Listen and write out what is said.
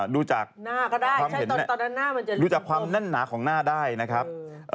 ดูจากความนั่นหนาของหน้าได้นะครับ